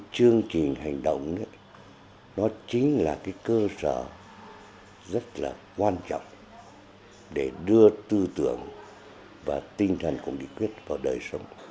chương trình hành động chính là cơ sở rất quan trọng để đưa tư tưởng và tinh thần của nghị quyết vào đời sống